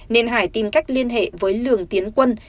nên hải tìm cách liên hệ với lường tiến quân